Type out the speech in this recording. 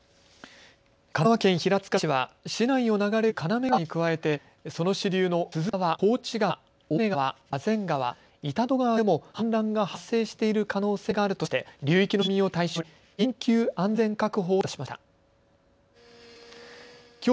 神奈川県平塚市は市内を流れる金目川に加えてその支流の鈴川、河内川、大根川、座禅川、板戸川でも氾濫が発生している可能性があるとして流域の住民を対象に緊急安全確保を出しました。